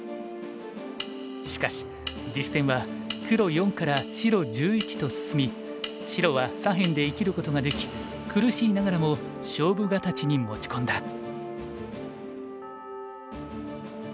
しかし実戦は黒４から白１１と進み白は左辺で生きることができ苦しいながらも勝負形に持ち込んだ。